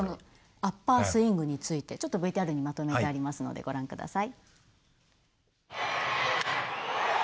アッパースイングについてちょっとＶＴＲにまとめてありますのでご覧ください。